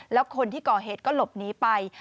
แล้วคนที่ก่อเหตุก็หลบหนีไป